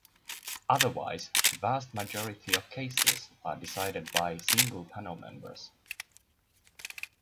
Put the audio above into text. Otherwise, the vast majority of cases are decided by single panel members.